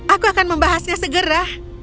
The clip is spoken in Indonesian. aku akan membahasnya segera